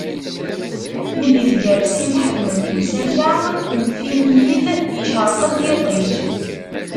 Mi yezger Si Mḥemmed i usaka n Finyil, icṛeq-d yiṭij.